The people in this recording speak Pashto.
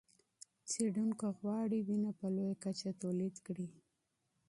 څېړونکي غواړي وینه په لویه کچه تولید کړي.